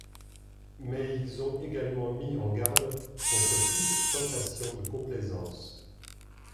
Mais ils ont également mis en garde contre toute tentation de complaisance.